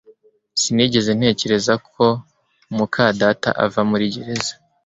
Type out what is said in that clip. Sinigeze ntekereza ko muka data ava muri gereza